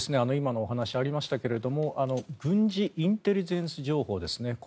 今のお話ありましたが軍事インテリジェンス情報ですね。